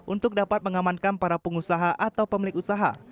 untuk dapat mengamankan para pengusaha atau pemilik usaha